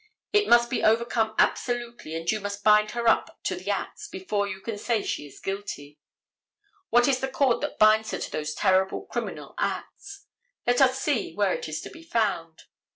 It must be overcome absolutely and you must bind her up to the acts before you can say she is guilty. What is the cord that holds her to those terrible criminal acts? Let us see where it is to be found.